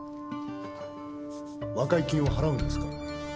和解金を払うんですか？